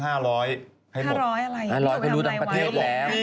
๕๐๐อะไร๕๐๐เขาดูดังประเทศแล้ว